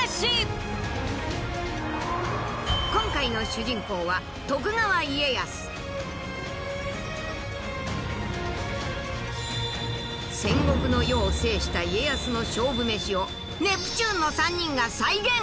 今回の主人公は戦国の世を制した家康の勝負メシをネプチューンの３人が再現！